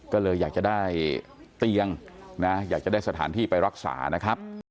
ก็เลยอยากจะได้เตียงนะอยากจะได้สถานที่ไปรักษานะครับ